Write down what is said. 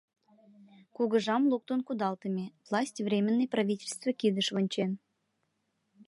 Кугыжам луктын кудалтыме, власть Временный правительство кидыш вончен.